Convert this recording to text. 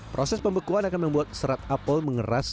proses pembekuan akan membuat serat apel mengeras